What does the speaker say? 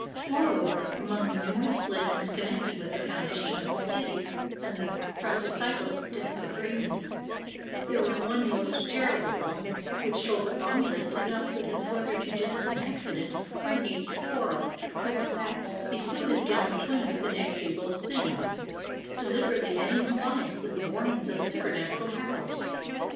Moreover, among the numerous legends connected with the foundation of the city, and the fratricidal death of Remus, there was one most terrible one which told that Romulus did not put his brother to death in accident or in hasty quarrel, but that "He slew his gallant twin With inexpiable sin," — deliberately and in compliance with the warnings of supernatural powers.